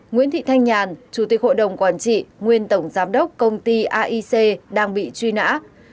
ba nguyễn thị thanh nhàn chủ tịch hội đồng quản trị nguyên tổng giám đốc công ty aic đang bị truy nã